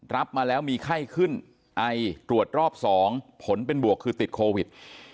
รับมาแล้วมีไข้ขึ้นไอตรวจรอบ๒ผลเป็นบวกคือติดโควิด